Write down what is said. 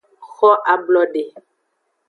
Xo ablode.